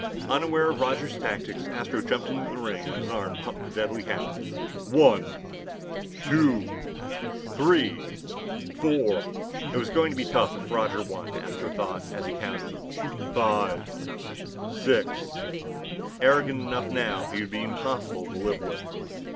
Unaware of Roger's tactics, Astro jumped into the ring and his arm pumped the deadly count. "One two three four " It was going to be tough if Roger won, Astro thought, as he counted. "Five six " Arrogant enough now, he would be impossible to live with.